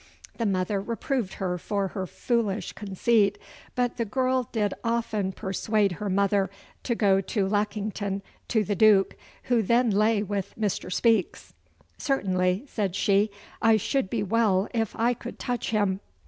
The mother reproved her for her foolish conceit, but the girl did often persuade her mother to go to Lackington to the Duke, who then lay with Mr. Speaks. "Certainly," said she, "I should be well if I could touch him."